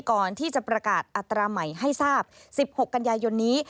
ก่อนที่จะประกาศอัตราใหม่ให้ทราบ๑๖กันยายนนี้